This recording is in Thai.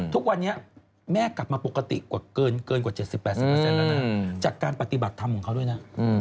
ทุกวันนี้แม่กลับมาปกติเกินกว่า๗๐๘๐แล้วนะจากการปฏิบัติธรรมของเขาด้วยนะ